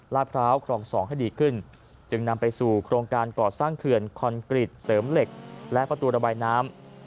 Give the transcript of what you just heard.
พร้าวครอง๒ให้ดีขึ้นจึงนำไปสู่โครงการก่อสร้างเขื่อนคอนกรีตเสริมเหล็กและประตูระบายน้ำ